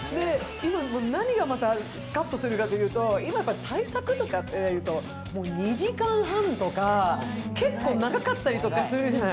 何がまたスカッとするかというと、今、大作とかっていうと２時間半とか結構長かったりするじゃない。